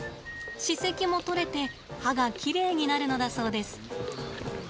歯石も取れて歯がきれいになるのだそうです。